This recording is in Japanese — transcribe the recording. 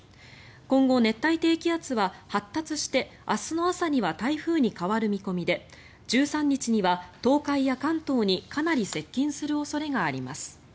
今後、熱帯低気圧は発達して明日の朝には台風に変わる見込みで１３日には東海や関東にかなり接近する恐れがあります。